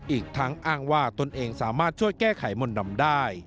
อีกทั้งอ้างว่าตนเองสามารถช่วยแก้ไขมนต์ดำได้